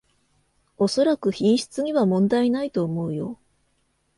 おそらく品質には問題ないと思うよ